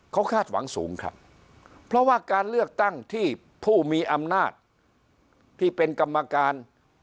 เขาคาดหวังสูงครับเพราะว่าการเลือกตั้งที่ผู้มีอำนาจที่เป็นกรรมการ